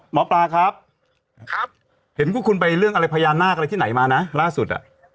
หมอปลาครับเห็นพวกคุณไปเรื่องอะไรพญานาคอะไรที่ไหนมานะล่าสุดอ่ะ